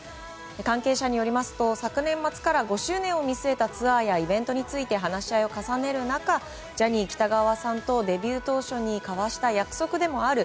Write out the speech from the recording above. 関係者によりますと昨年末から５周年を見据えたツアーやイベントについて話し合いを重ねる中ジャニー喜多川さんとデビュー当初に交わした約束でもある